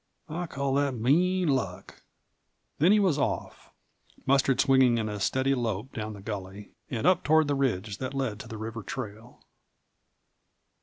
I call that mean luck." Then he was off, Mustard swinging in a steady lope down the gully and up toward the ridge that led to the river trail.